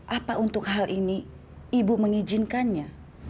apa untuk hal ini ibu mengizinkannya